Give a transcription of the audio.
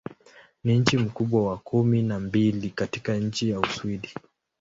Ni mji mkubwa wa kumi na mbili katika nchi wa Uswidi.